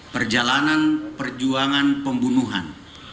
perjalanan perjuangan pembunuhan